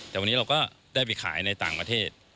แต่วันนี้เราก็ได้ไปขายในต่างประเทศ